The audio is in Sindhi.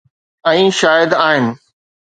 ۽ شايد آهن.